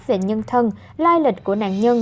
về nhân thân lai lịch của nạn nhân